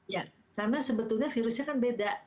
ya karena sebetulnya virusnya kan beda